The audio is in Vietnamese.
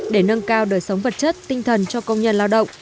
để nâng cao đời sống vật chất tinh thần cho công nhân lao động